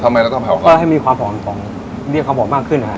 ทำไมแล้วต้องเผาก่อนก็ให้มีความหอมเรียกความหอมมากขึ้นนะฮะ